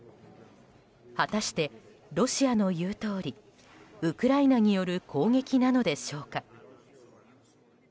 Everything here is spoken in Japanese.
果たして、ロシアの言うとおりウクライナによる攻撃なのでしょうか。